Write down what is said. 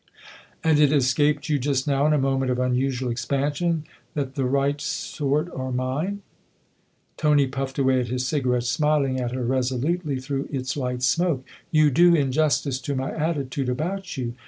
"And it escaped you just now, in a moment of unusual expansion, that the right sort are mine ?" Tony puffed away at his cigarette, smiling at her resolutely through its light smoke. "You do in justice to my attitude about you.